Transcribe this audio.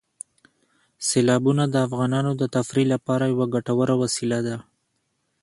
سیلابونه د افغانانو د تفریح لپاره یوه ګټوره وسیله ده.